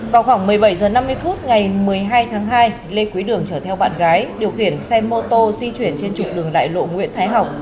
vào khoảng một mươi bảy h năm mươi phút ngày một mươi hai tháng hai lê quý đường chở theo bạn gái điều khiển xe mô tô di chuyển trên trục đường đại lộ nguyễn thái học